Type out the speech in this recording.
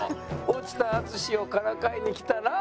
落ちた淳をからかいに来たら？